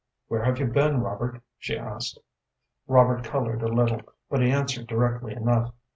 "Where have you been, Robert?" she asked. Robert colored a little, but he answered directly enough.